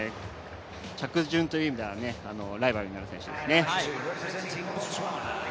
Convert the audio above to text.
着順という意味ではライバルになる選手かもしれないです。